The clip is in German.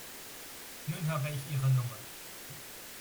Nun habe ich ihre Nummer.